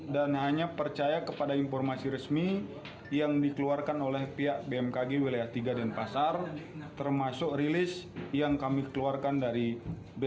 dan hanya percaya kepada informasi resmi yang dikeluarkan oleh pihak bmkg wilayah tiga dan pasar termasuk rilis yang kami keluarkan dari bmkg ulangi bpwd provinsi bali